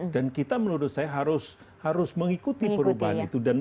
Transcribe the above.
dan kita menurut saya harus mengikuti perubahan itu